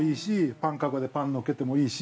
パンかごで、パンのせてもいいし。